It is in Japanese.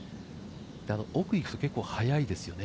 奥行くと結構速いですよね。